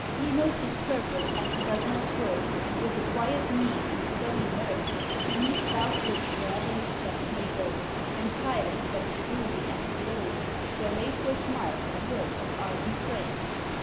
He knows his purpose and he does not swerve, And with a quiet mien and steady nerve He meets dark looks where'er his steps may go, And silence that is bruising as a blow, Where late were smiles and words of ardent praise.